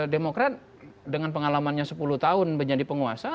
demokrat dengan pengalamannya sepuluh tahun